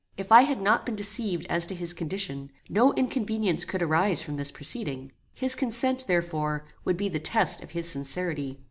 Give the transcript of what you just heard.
If I had not been deceived as to his condition, no inconvenience could arise from this proceeding. His consent, therefore, would be the test of his sincerity.